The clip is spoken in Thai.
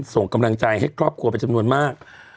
ส่งกำลังใจให้ครอบครัวเป็นจำนวนมาก